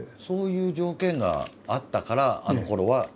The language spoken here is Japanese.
そういう条件があったからあのころは。